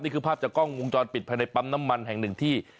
นี่คือภาพจากกล้องวงจรปิดภายในปั๊มน้ำมันแห่งหนึ่งที่